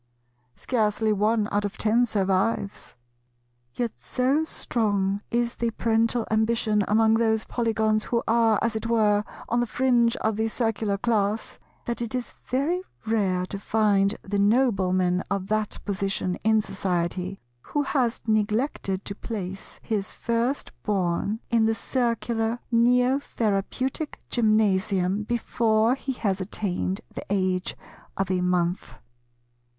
Scarcely one out of ten survives. Yet so strong is the parental ambition among those Polygons who are, as it were, on the fringe of the Circular class, that it is very rare to find the Nobleman of that position in society, who has neglected to place his first born in the Circular Neo Therapeutic Gymnasium before he has attained the age of a month.